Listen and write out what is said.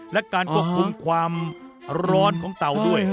และการควบคุมความร้อนของเตาด้วย